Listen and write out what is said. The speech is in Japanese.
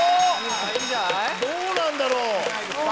どうなんだろう？